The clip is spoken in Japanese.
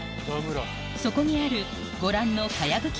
そこにあるご覧のかやぶき